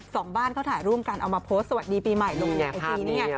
สองบ้านเขาถ่ายร่วมกันเอามาโพสต์สวัสดีปีใหม่ลงในไอจีเนี่ย